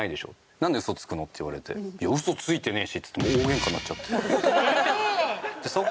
「なんでウソつくの？」って言われて「いやウソついてねえし」っつって大ゲンカになっちゃって。